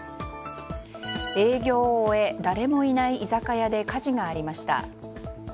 営業を終え、誰もいない居酒屋で火事がありました。